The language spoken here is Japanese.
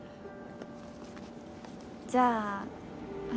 じゃあ私